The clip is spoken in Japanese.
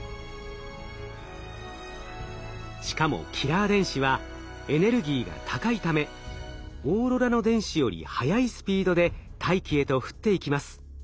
しかもキラー電子はエネルギーが高いためオーロラの電子より速いスピードで大気へと降っていきます。